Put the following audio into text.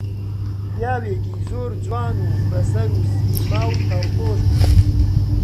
پیاوێکی زۆر جوان و بە سەروسیما و تەڕپۆش بوو